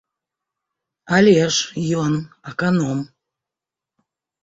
Але ж, ён, аканом.